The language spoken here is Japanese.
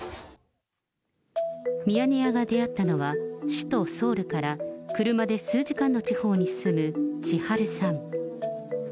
ミヤネ屋が出会ったのは、首都ソウルから車で数時間の地方に住むちはるさん。